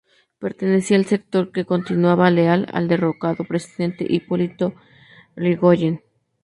Pertenecía al sector que continuaba leal al derrocado presidente Hipólito Yrigoyen.